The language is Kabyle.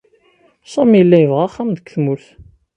Sami yella yebɣa axxam deg tmurt.